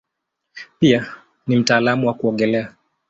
Pia ni mtaalamu wa kuogelea.